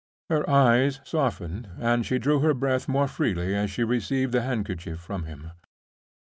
Her eyes softened, and she drew her breath more freely as she received the handkerchief from him.